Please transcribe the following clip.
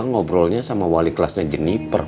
ngobrolnya sama wali kelasnya jeniper